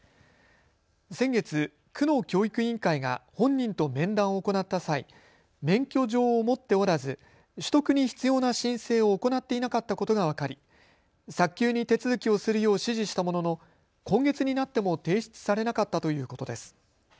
先月、区の教育委員会が本人と面談を行った際、免許状を持っておらず取得に必要な申請を行っていなかったことが分かり早急に手続きをするよう指示したものの今月になっても提出されなかったということです。